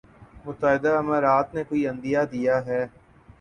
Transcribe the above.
متحدہ امارات نے کوئی عندیہ دیا ہے۔